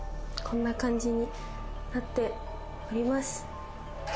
こんな感じになっております。